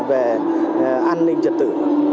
về an ninh trật tự